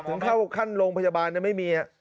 ถึงเข้าขั้นโรงพยาบาลไม่มี